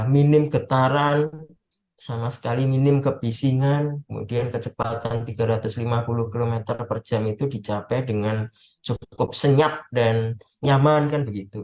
minim getaran sama sekali minim kebisingan kemudian kecepatan tiga ratus lima puluh km per jam itu dicapai dengan cukup senyap dan nyaman kan begitu